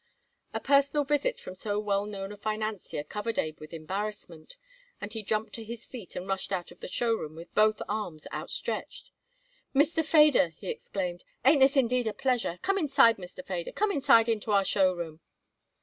A personal visit from so well known a financier covered Abe with embarrassment, and he jumped to his feet and rushed out of the show room with both arms outstretched. "Mr. Feder," he exclaimed, "ain't this indeed a pleasure? Come inside, Mr. Feder. Come inside into our show room."